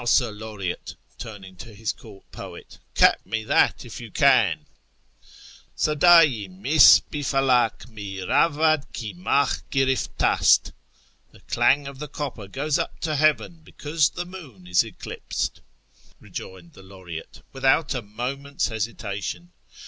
Sir Laureate " (turning to his court poet), " cap me that if you can !"^' /Sadd yi mis hi falah mi ravad Id ondh giriftast " ("The chaiig of the copper goes up to heaven because the moon is eclipsed"), rejoined the Laureate, without a moment's hesitation.